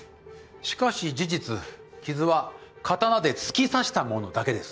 しかし事実傷は刀で突き刺したものだけです。